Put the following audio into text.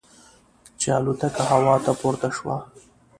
چې الوتکه هوا ته پورته شوه.